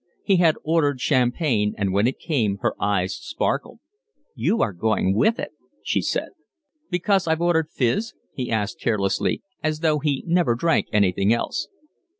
He had ordered champagne and when it came her eyes sparkled. "You are going it," she said. "Because I've ordered fiz?" he asked carelessly, as though he never drank anything else.